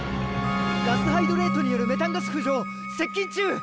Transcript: ガスハイドレートによるメタンガス浮上接近中！